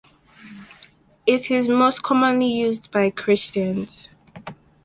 It is most commonly used by Christians.